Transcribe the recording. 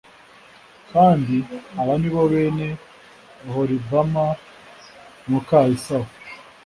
kandi aba ni bo bene oholibama muka esawu